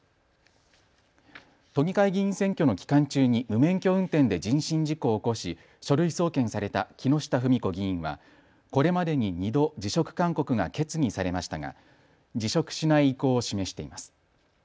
都議会議員選挙の期間中に無免許運転で人身事故を起こし書類送検された木下富美子議員はこれまでに２度、辞職勧告が決議されましたが辞職しない意向を示しています。